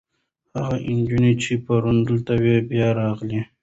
هغه نجلۍ چې پرون دلته وه، بیا راغله.